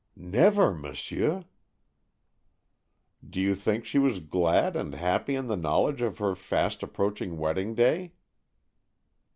"Never, monsieur." "Do you think she was glad and happy in the knowledge of her fast approaching wedding day?"